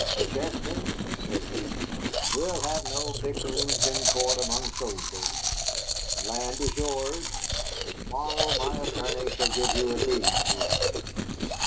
"McChesney," said he, "we'll have no bickerings in court among soldiers. The land is yours, and to morrow my attorney shall give you a deed of it.